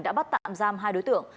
đã bắt tạm giam hai đối tượng